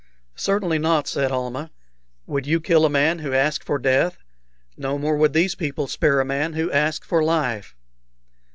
"Certainly not," said Almah. "Would you kill a man who asked for death? No more would these people spare a man who asked for life."